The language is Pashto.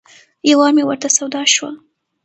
یو وار مې ورته سودا شوه.